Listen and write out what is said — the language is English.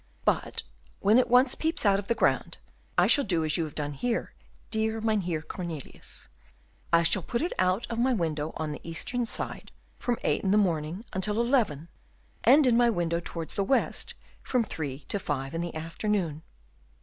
But when it once peeps out of the ground, I shall do as you have done here, dear Mynheer Cornelius: I shall put it out of my window on the eastern side from eight in the morning until eleven and in my window towards the west from three to five in the afternoon."